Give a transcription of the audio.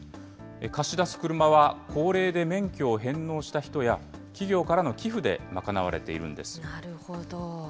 貸し出す車は、高齢で免許を返納した人や、企業からの寄付で賄われているんです。